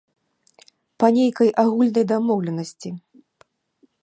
Па нейкай агульнай дамоўленасці.